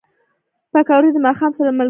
پکورې د ماښام سره ملګرتیا لري